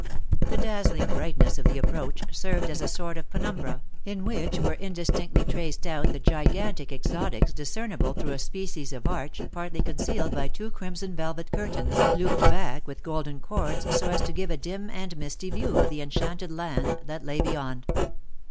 The dazzling brightness of the approach served as a sort of penumbra, in which were indistinctly traced out the gigantic exotics discernible through a species of arch, partly concealed by two crimson velvet curtains looped back with golden cords so as to give a dim and misty view of the enchanted land that lay beyond.